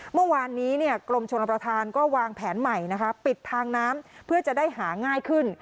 เมื่อวานนี้กรมชนประธานก็วางแผนใหม่นะคะปิดทางน้ำเพื่อจะได้หาง่ายขึ้น